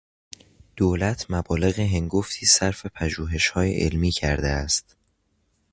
دولت مبالغ هنگفتی صرف پژوهشهای علمی کرده است.